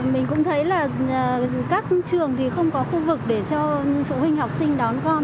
mình cũng thấy là các trường thì không có khu vực để cho phụ huynh học sinh đón con